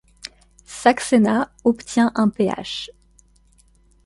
Saxena obtient un Ph.